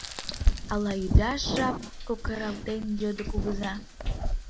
Ала ӱдаш жап? — кокыралтен, йодо кугыза.